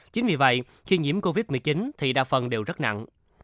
chính vì vậy khi nhiễm covid một mươi chín thì đa phần đều rất nặng